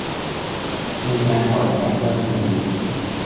มีงานปล่อยแสงดนตรี